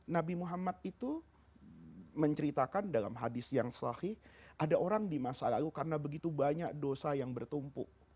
nabi muhammad itu menceritakan dalam hadis yang selahi ada orang di masa lalu karena begitu banyak dosa yang bertumpuk